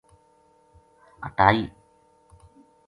ہٹائی